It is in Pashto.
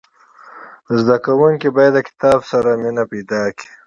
زدهکوونکي باید له کتاب سره مینه پیدا کړي.